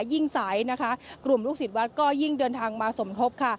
ยิ่งใสนะคะกลุ่มลูกศิษย์วัดก็ยิ่งเดินทางมาสมทบค่ะ